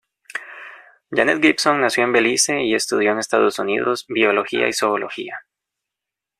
Janet Gibson nació en Belice y estudió en Estados Unidos biología y zoología.